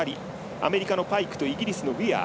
アメリカのパイクとイギリスのウィアー。